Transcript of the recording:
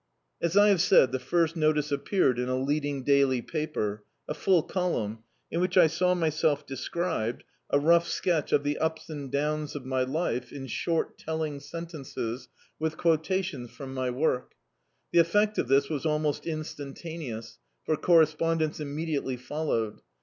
As I have said, the first notice appeared in a leading daily paper, a full column, in which I saw myself described, a rou^ sketch of the ups and downs of my life, in short telling sentences, with Dictzed by Google The Autobiography of a Super Tramp quotations from my work. The effa:t of this was almost instantaneous, for correspondence immedi ately followed.